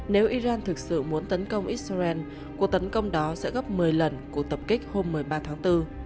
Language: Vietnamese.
nếu iran thực sự muốn tấn công israel cuộc tấn công đó sẽ gấp một mươi lần cuộc tập kích hôm một mươi ba tháng bốn